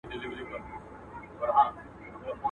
مېږي خور که شرمښکۍ ده که مرغان دي.